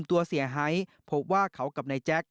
ตัวเสียหายพบว่าเขากับนายแจ๊ค